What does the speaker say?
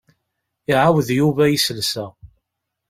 Iɛawed Yuba iselsa.